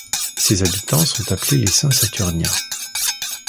Ses habitants sont appelés les Saint-Saturniens.